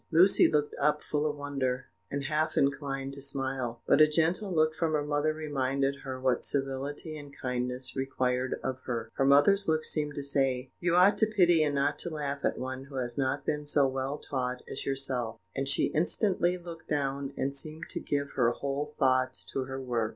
Lucy looked up full of wonder, and half inclined to smile; but a gentle look from her mother reminded her what civility and kindness required of her. Her mother's look seemed to say, "You ought to pity and not to laugh at one who has not been so well taught as yourself;" and she instantly looked down, and seemed to give her whole thoughts to her work.